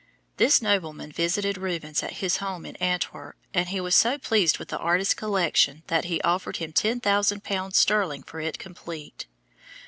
This nobleman visited Rubens at his home in Antwerp and he was so pleased with the artist's collection that he offered him ten thousand pounds sterling for it complete.